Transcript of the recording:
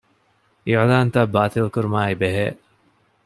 އިޢުލާންތައް ބާތިލްކުރުމާއި ބެހޭ